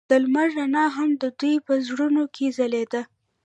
د لمر رڼا هم د دوی په زړونو کې ځلېده.